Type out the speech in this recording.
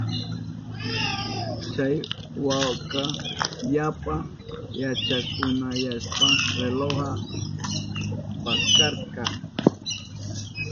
Chay wawaka yapa yachakunayashpan relojta paskarka.